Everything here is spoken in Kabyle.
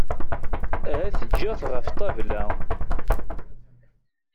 Ahat ǧǧiɣ-t ɣef ṭṭabla.